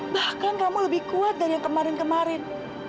bahkan kamu lebih kuat dari yang kemarin kemarin